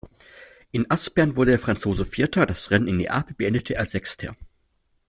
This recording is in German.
In Aspern wurde der Franzose Vierter, das Rennen in Neapel beendete er als Sechster.